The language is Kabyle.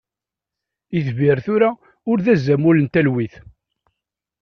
Itbir tura ur d azamul n talwit.